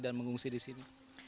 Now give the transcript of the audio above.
dan mengungsi disini